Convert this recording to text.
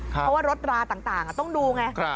เพราะว่ารถราต่างต้องดูไง